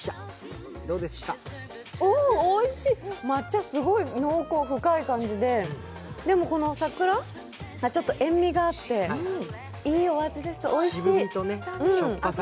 お、おいしい、抹茶すごく濃厚、深い感じで、でも、桜がちょっと塩みがあって、いいお味です、おいしい。